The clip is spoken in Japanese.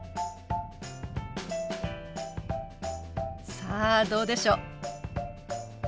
さあどうでしょう？